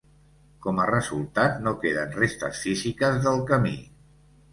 Com a resultat, no queden restes físiques del camí.